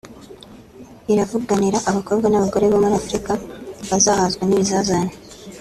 iravuganira abakobwa n’abagore bo muri Afrika bazahazwa n’ibizazane